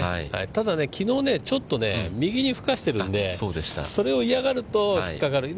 ただ、きのう、ちょっとね、右にふかしてるんで、それを嫌がると引っ掛かる。